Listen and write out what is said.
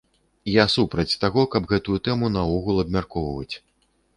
Я супраць таго, каб гэтую тэму наогул абмяркоўваць.